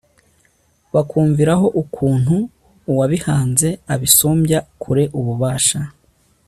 bakumviraho ukuntu uwabihanze abisumbya kure ububasha